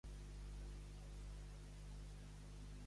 Hi havia una figura de Pandíon?